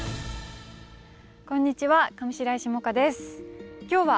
こんにちは。